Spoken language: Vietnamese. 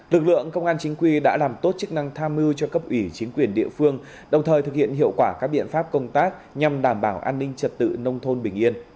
lực lượng công an chính quy đã làm tốt chức năng tham mưu cho cấp ủy chính quyền địa phương đồng thời thực hiện hiệu quả các biện pháp công tác nhằm đảm bảo an ninh trật tự nông thôn bình yên